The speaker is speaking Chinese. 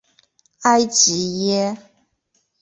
埃吉耶。